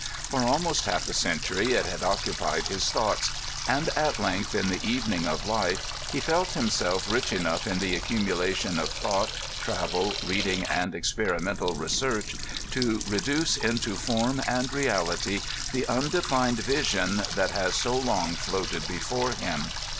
For almost half a century it had occupied his thoughts ; and at length, in the evening of life, he felt himself rich enough in the accumulation of thought, travel, reading, and experimental research, to reduce into form and reality the imdefined vision that has so long floated before him.